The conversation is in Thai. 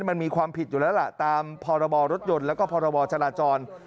มันมีความผิดอยู่แล้วล่ะตามพรรยและพรจราจร